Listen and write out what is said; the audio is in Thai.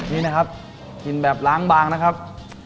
นี่นะครับกินแบบล้างบางนะครับ